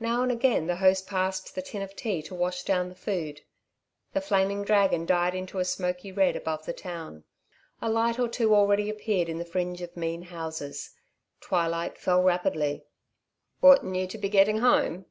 Now and again the host passed the tin of tea to wash down the food. The flaming dragon died into a smoky red above the town. A light or two already appeared in the fringe of mean houses. Twilight fell rapidly. "Oughtn't you to be getting home?"